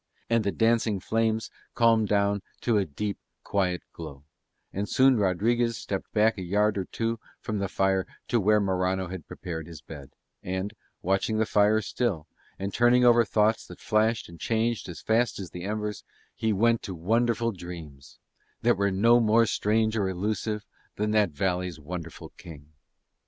And the dancing flames calmed down to a deep, quiet glow; and soon Rodriguez stepped back a yard or two from the fire to where Morano had prepared his bed; and, watching the fire still, and turning over thoughts that flashed and changed as fast as the embers, he went to wonderful dreams that were no more strange or elusive than that valley's wonderful king.